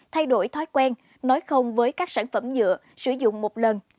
thay đổi thói quen nói không với các sản phẩm nhựa sử dụng một lần